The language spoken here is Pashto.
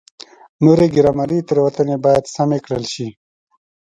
نورې ګرامري تېروتنې باید سمې کړل شي.